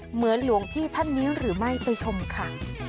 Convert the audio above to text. หลวงพี่ท่านนี้หรือไม่ไปชมค่ะ